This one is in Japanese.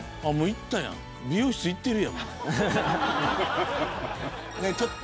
行ったやん美容室行ってるやん。